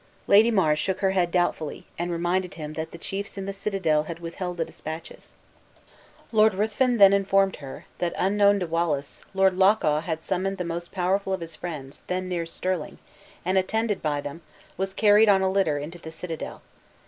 Lady Mar shook her head doubtfully, and reminded him that the chiefs in the citadel had withheld the dispatches. Lord Ruthven then informed her that, unknown to Wallace, Lord Loch awe had summoned the most powerful of his friends then near Stirling, and attended by them, was carried on a littler into the citadel.